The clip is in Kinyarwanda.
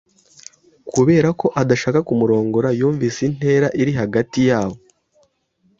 Kubera ko adashaka kumurongora, yumvise intera iri hagati yabo.